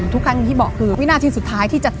ทุกครั้งอย่างที่บอกคือวินาทีสุดท้ายที่จะ